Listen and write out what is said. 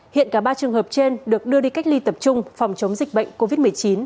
hiện cả ba trường hợp trên được đưa đi cách ly tập trung phòng chống dịch bệnh covid một mươi chín